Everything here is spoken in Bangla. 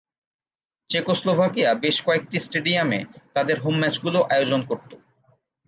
চেকোস্লোভাকিয়া বেশ কয়েকটি স্টেডিয়ামে তাদের হোম ম্যাচগুলো আয়োজন করতো।